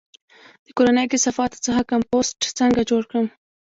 د کورنیو کثافاتو څخه کمپوسټ څنګه جوړ کړم؟